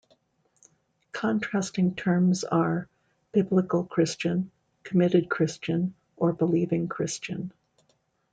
Contrasting terms are "biblical Christian", "committed Christian", or "believing Christian".